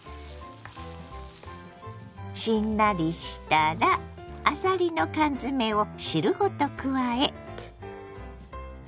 しんなりしたらあさりの缶詰を汁ごと加え。